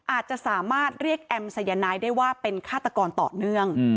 อาจจะสามารถเรียกแอมสายนายได้ว่าเป็นฆาตกรต่อเนื่อง